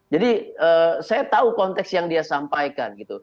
jadi saya tahu konteks yang dia sampaikan